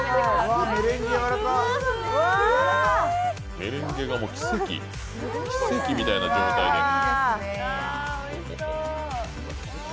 メレンゲが奇跡みたいな状態で。